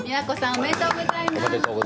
おめでとうございます。